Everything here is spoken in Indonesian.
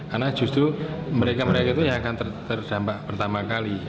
karena justru mereka mereka itu yang akan terdampak